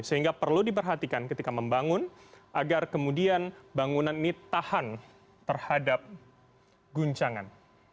sehingga perlu diperhatikan ketika membangun agar kemudian bangunan ini tahan terhadap guncangan